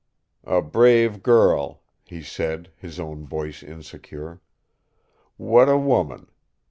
"A brave girl," he said, his own voice insecure. "What a woman!